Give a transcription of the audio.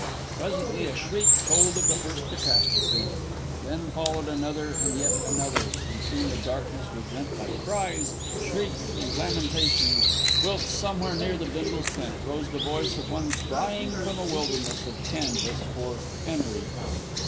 Presently a shriek told of the first catastrophe; then followed another and yet another, and soon the darkness was rent by cries, shrieks, and lamentations, whilst somewhere near the Bindles' tent rose the voice of one crying from a wilderness of canvas for 'Enery.